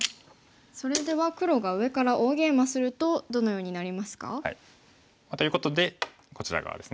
それでは黒が上から大ゲイマするとどのようになりますか？ということでこちら側ですね。